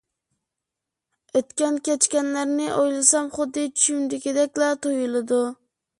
ئۆتكەن - كەچكەنلەرنى ئويلىسام، خۇددى چۈشۈمدىكىدەكلا تۇيۇلىدۇ.